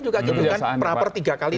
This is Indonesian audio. juga gitu kan perapar tiga kali tiga kali